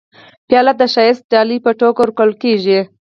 پیاله د ښایسته ډالۍ په توګه ورکول کېږي.